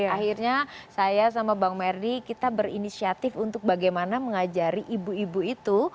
akhirnya saya sama bang merdi kita berinisiatif untuk bagaimana mengajari ibu ibu itu